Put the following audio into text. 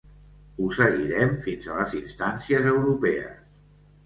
Ho seguirem fins a les instàncies europees.